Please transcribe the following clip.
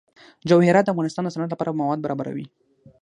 جواهرات د افغانستان د صنعت لپاره مواد برابروي.